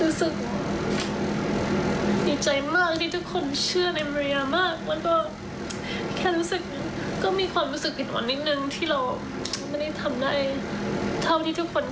รู้สึกดีใจมากที่ทุกคนเชื่อในเรียมากแล้วก็แค่รู้สึกก็มีความรู้สึกอิดอ่อนนิดนึงที่เราไม่ได้ทำได้เท่าที่ทุกคน